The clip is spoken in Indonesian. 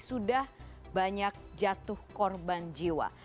sudah banyak jatuh korban jiwa